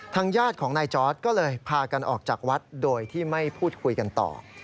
ญาติของนายจอร์ดก็เลยพากันออกจากวัดโดยที่ไม่พูดคุยกันต่อ